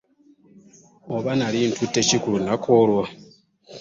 Oba nnali ntutte ki ku lunaku olwo!